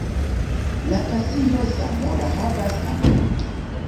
La Pasio zamora havas, ankaŭ.